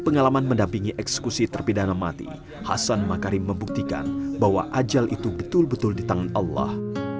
pengalaman mendampingi eksekusi terpidana mati hasan makarim membuktikan bahwa ajal itu betul betul di tangan allah